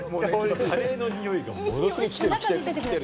カレーの匂いがものすごいきてる。